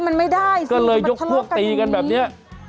แล้วก็เลยยกทะลกตีกันแบบนี้